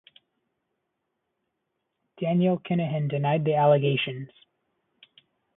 Daniel Kinahan denied the allegations.